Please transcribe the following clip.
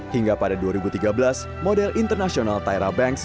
hingga pada dua ribu tiga belas model internasional tyra banks menggait raffi